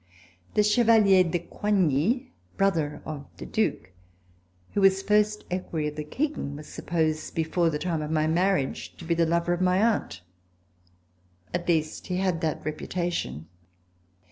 The Chevalier de Coigny, brother of the Due, who was first equerry of the King, was supposed, before the time of my marriage, to be the lover of my aunt. At least he had that reputation.